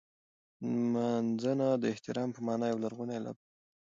نمځنه د احترام په مانا یو لرغونی لفظ دی.